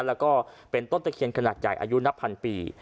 แล้วก็เป็นต้นตะเคียนขนาดใหญ่อายุนับพันปี